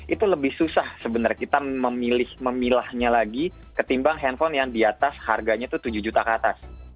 itu lebih susah sebenarnya kita memilih memilahnya lagi ketimbang handphone yang di atas harganya itu tujuh juta ke atas